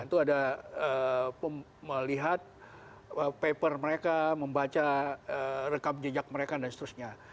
itu ada melihat paper mereka membaca rekam jejak mereka dan seterusnya